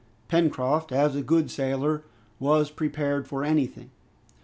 Pencroft, as a good sailor, was prepared for anything.